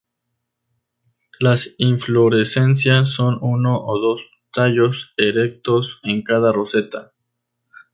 Las inflorescencias son uno o dos tallos erectos en cada roseta.